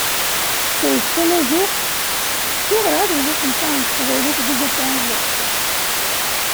Seld Tamaziɣt, yadra ad yili usenfar n Teqbaylit di Google Translate?